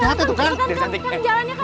jalannya kamu kasiutin kan